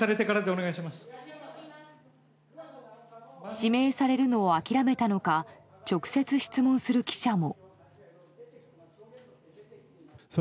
指名されるのを諦めたのか直接、質問する記者も。